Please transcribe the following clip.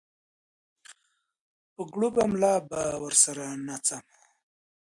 په کړوپه ملا به ورسره ناڅم